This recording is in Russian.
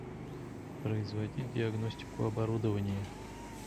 Производить диагностику оборудования